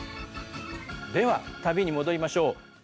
では旅に戻りましょう。